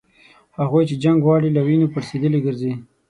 هغوی چي جنګ غواړي له وینو پړسېدلي ګرځي